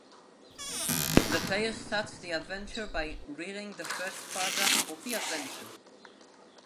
The player starts the adventure by reading the first paragraph of the adventure.